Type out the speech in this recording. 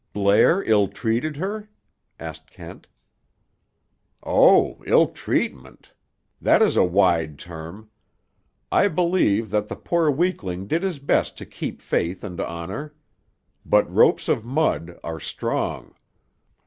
"Blair ill treated her?" asked Kent. "Oh, ill treatment! That is a wide term. I believe that the poor weakling did his best to keep faith and honor. But ropes of mud are strong.